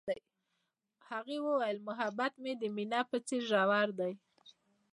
هغې وویل محبت یې د مینه په څېر ژور دی.